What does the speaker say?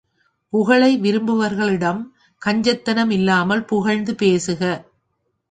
புகழை விரும்புகிறவர்களிடம், கஞ்சத் தனம் இல்லாமல் புகழ்ந்து பேசுக.